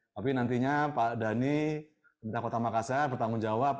tapi nantinya pak dhani pemerintah kota makassar bertanggung jawab